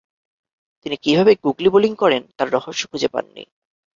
তিনি কিভাবে googly bowling করেন তার রহস্য খুঁজে পাননি।